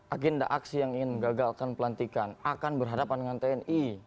agenda aksi yang ingin menggagalkan pelantikan akan berhadapan dengan tni